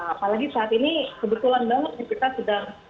apalagi saat ini kebetulan banget kita sedang